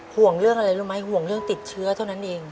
ห่วงเรื่องอะไรรู้ไหมห่วงเรื่องติดเชื้อเท่านั้นเอง